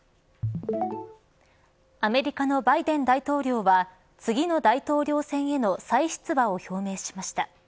アメリカのバイデン大統領は次の大統領選の再出馬を表明しました。